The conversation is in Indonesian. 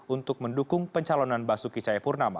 untuk mendukung pencalonan basuki cahaya purnama